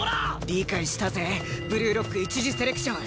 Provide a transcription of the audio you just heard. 理解したぜブルーロック一次セレクション！